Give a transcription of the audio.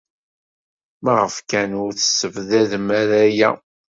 Maɣef kan ur tessebdadem ara aya?